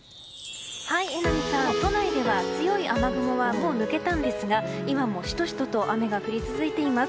榎並さん、都内では強い雨雲はもう抜けたんですが今もシトシトと雨が降り続いています。